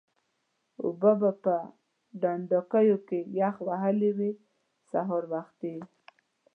اوبه به په ډنډوکیو کې یخ وهلې وې سهار وختي.